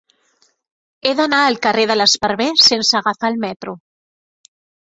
He d'anar al carrer de l'Esparver sense agafar el metro.